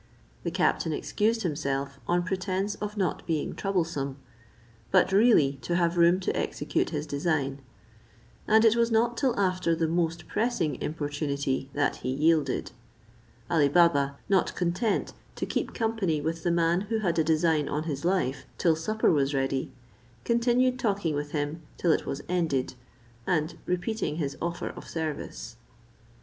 The captain excused himself on pretence of not being troublesome; but really to have room to execute his design, and it was not till after the most pressing importunity that he yielded. Ali Baba, not content to keep company with the man who had a design on his life till supper was ready, continued talking with him till it was ended, and repeating his offer of service.